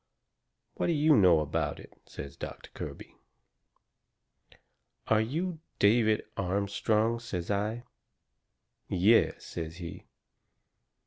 "What do you know about it?" says Doctor Kirby. "Are you David Armstrong?" says I. "Yes," says he.